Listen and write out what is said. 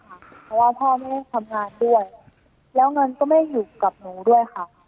เพราะว่าพ่อไม่ได้ทำงานด้วยแล้วเงินก็ไม่ได้อยู่กับหนูด้วยค่ะ